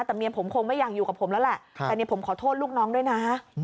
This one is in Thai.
แต่เมียผมคงไม่อยากอยู่กับผมแล้วแหละแต่เนี่ยผมขอโทษลูกน้องด้วยนะ